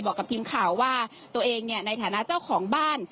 บอกกับทีมข่าวว่าตัวเองเนี่ยในฐานะเจ้าของบ้าน